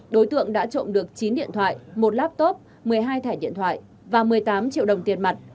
đối tượng đã trộm được chín điện thoại một laptop một mươi hai thẻ điện thoại và một mươi tám triệu đồng tiền mặt